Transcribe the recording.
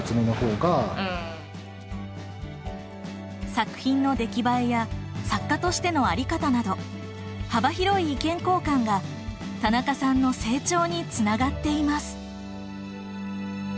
作品の出来栄えや作家としての在り方など幅広い意見交換が田中さんの成長につながっています。